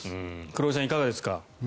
黒井さん、いかがですか？